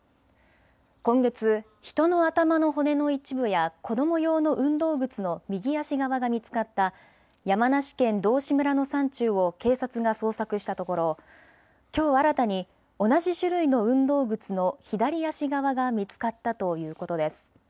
今月、人の頭の骨の一部や子ども用の運動靴の右足側が見つかった山梨県道志村の山中を警察が捜索したところきょう新たに同じ種類の運動靴の左足側が見つかったということです。